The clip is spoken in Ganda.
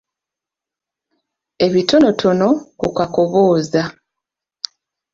Ebitonotono ku Kakoboza.